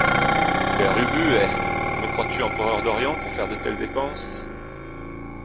Père Ubu Eh ! me crois-tu empereur d’Orient pour faire de telles dépenses ?